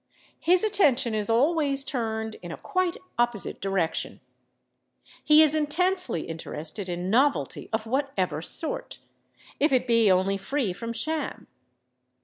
His attention is always turned in a quite opposite direction. He is intensely interested in novelty of whatever sort, if it be only free from sham.